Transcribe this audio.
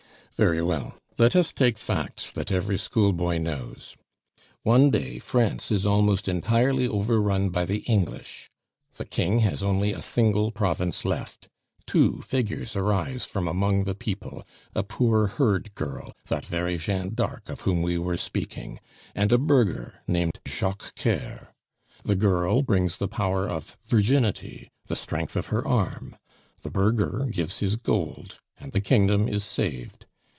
"Very well, let us take facts that every schoolboy knows. One day France is almost entirely overrun by the English; the King has only a single province left. Two figures arise from among the people a poor herd girl, that very Jeanne Darc of whom we were speaking, and a burgher named Jacques Coeur. The girl brings the power of virginity, the strength of her arm; the burgher gives his gold, and the kingdom is saved.